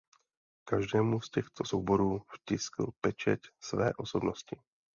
Každému z těchto souborů vtiskl pečeť své osobnosti.